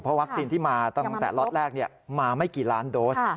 วัคซีนที่มาตั้งแต่ล็อตแรกมาไม่กี่ล้านโดส